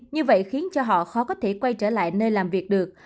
như vậy khiến cho họ khó có thể quay trở lại nơi làm việc được